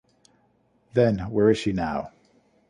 Then where is she now?